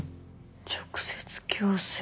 直接強制。